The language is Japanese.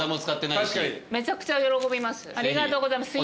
めちゃくちゃ喜びます。